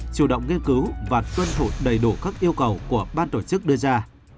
chủ động nghiên cứu và tuân thủ đầy đủ các yêu cầu của ban tổ chức đưa ra